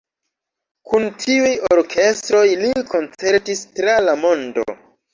Kun tiuj orkestroj li koncertis tra la mondo.